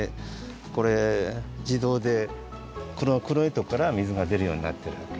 これじどうでこのくろいとこから水がでるようになっているわけ。